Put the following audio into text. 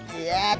dah makasih nak